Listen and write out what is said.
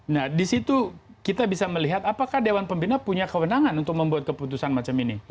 nah disitu kita bisa melihat apakah dewan pembina punya kewenangan untuk membuat keputusan macam ini